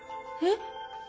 えっ？